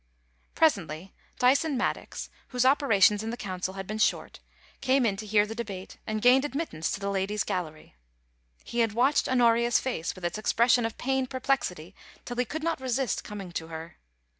Presently Dyson Maddox, whose operations in the Coun cil had been short, came in to hear the debate, and gained admittance to the Ladies' Gallery. He had watched Honoria's face with its expression of pained perplexity till he could not resist coming to her.